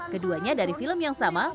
keduanya dari film yang sama